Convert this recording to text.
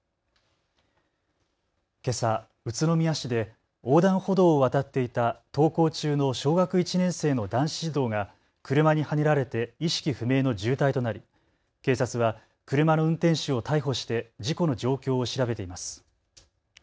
けさ、宇都宮市で横断歩道を渡っていた登校中の小学１年生の男子児童が車にはねられて意識不明の重体となり警察は車の運転手を逮捕して事故の状況を調べています。